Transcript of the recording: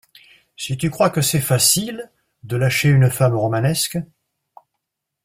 Si tu crois que c’est facile, de lâcher une femme romanesque !